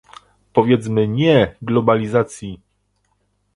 Powiedzmy "nie" globalizacji!